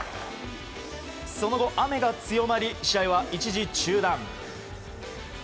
その後、雨が強まり試合は一時中断。